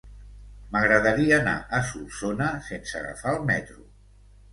M'agradaria anar a Solsona sense agafar el metro.